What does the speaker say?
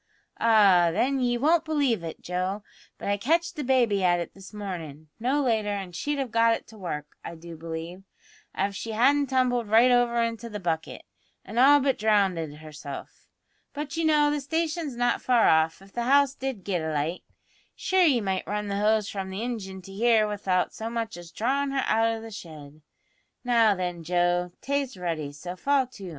Ah, then, ye won't believe it, Joe, but I catched the baby at it this mornin', no later, an' she'd have got it to work, I do believe, av she hadn't tumbled right over into the bucket, an' all but drownded herself. But, you know, the station's not far off, if the house did git alight. Shure ye might run the hose from the ingin to here without so much as drawin' her out o' the shed. Now, then, Joe, tay's ready, so fall to."